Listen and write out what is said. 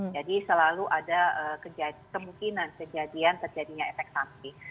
jadi selalu ada kejadian kemungkinan kejadian terjadinya efek samping